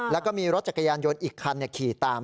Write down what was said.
แล้วก็มีรถจักรยานยนต์อีกคันขี่ตาม